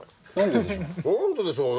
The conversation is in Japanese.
何ででしょう？